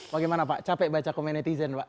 bagaimana pak capek baca komen netizen pak